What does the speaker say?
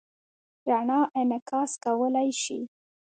رڼا انعکاس کولی شي.